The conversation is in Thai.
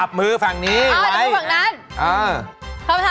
แล้วคุณพูดกับอันนี้ก็ไม่รู้นะผมว่ามันความเป็นส่วนตัวซึ่งกัน